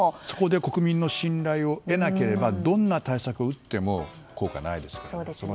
そこで国民の信頼を得なければどんな対策を打っても効果はないですから。